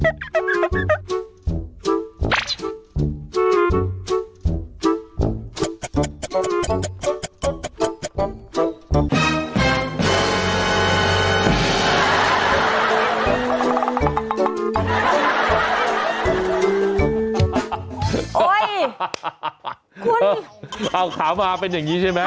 อ้าวขามาเป็นอย่างนี้ใช่ไหม